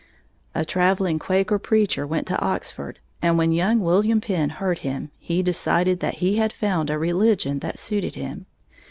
A traveling Quaker preacher went to Oxford, and when young William Penn heard him, he decided that he had found a religion that suited him.